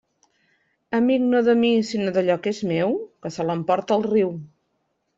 Amic no de mi sinó d'allò que és meu, que se l'emporte el riu.